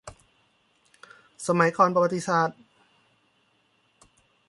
สมัยก่อนประวัติศาสตร์